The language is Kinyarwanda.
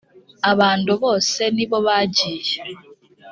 abando bose nibo bagiye.